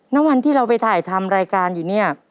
ณวันที่เราไปถ่ายทำรายการอยู่เนี่ย